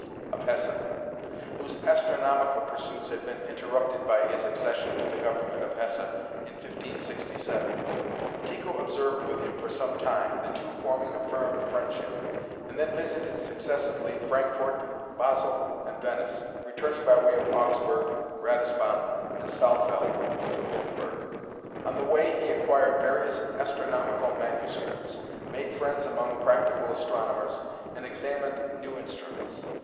of Hesse, whose astronomical pursuits had been interrupted by his accession to the government of Hesse, in 1567. Tycho observed with him for some time, the two forming a firm friendship, and then visited successively Frankfort, Basle, and Venice, returning by way of Augsburg, Ratisbon, and Saalfeld to Wittenberg; on the way he acquired various astronomical manuscripts, made friends among practical astronomers, and examined new instruments.